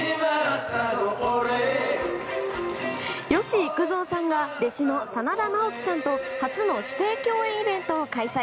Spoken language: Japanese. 吉幾三さんが弟子の真田ナオキさんと初の師弟共演イベントを開催。